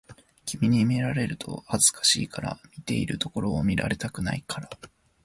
君に見られると恥ずかしいから、見ているところを見られたくないから